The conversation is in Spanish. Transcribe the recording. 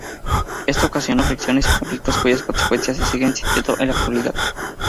Esto ocasionó fricciones y conflictos cuyas consecuencias se siguen sintiendo en la actualidad.